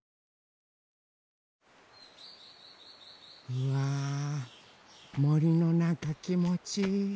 うわもりのなかきもちいい。